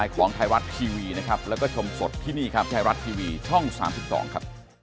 ขอบคุณครับ